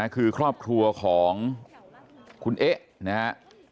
คือครอบครัวของคุณเอ๊ะนะครับ